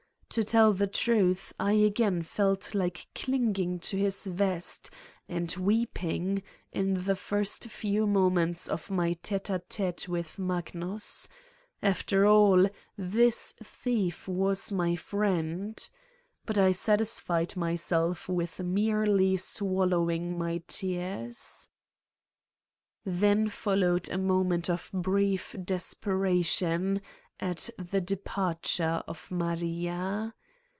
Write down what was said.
To tell the truth, I again felt like clinging to his vest and weeping in the first few moments of my tete a tete with Magnus : after all, this thief was my friend! But I satisfied myself with merely swallowing my tears. Then followed a moment of brief desperation at the departure of Maria.